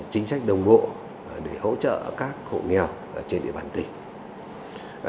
chính sách đồng bộ để hỗ trợ các hộ nghèo trên địa bàn tỉnh